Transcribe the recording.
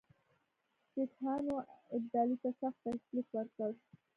سیکهانو ابدالي ته سخت تکلیف ورکړ.